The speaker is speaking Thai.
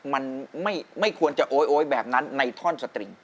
มันไม่ควรจะโอ๊ยแบบนั้นในท่อนสตริง